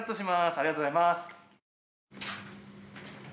ありがとうございます。